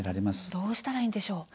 どうしたらいいでしょうか。